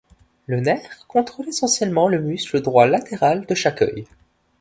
Le nerf ' contrôle essentiellement le muscle droit latéral de chaque œil.